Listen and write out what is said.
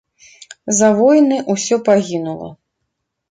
За войны ўсё пагінула.